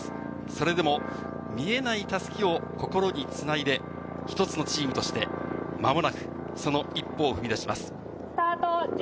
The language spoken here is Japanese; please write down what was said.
それでも見えない襷を心に繋いで１つのチームとして間もなく、その一歩を踏み出します。